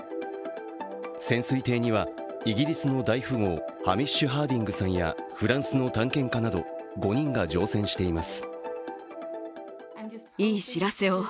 潜水艇にはイギリスの大富豪ハミッシュ・ハーディングさんやフランスの探検家など５人が乗船しています。